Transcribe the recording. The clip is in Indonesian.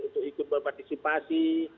untuk ikut berpartisipasi